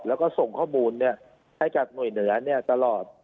แล้วก็ส่งข้อมูลให้กับหน่วยเหนือตลอด